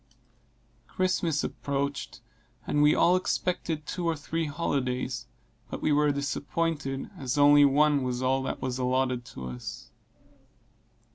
Christmas approached, and we all expected two or three holidays but we were disappointed, as only one was all that was allotted to us.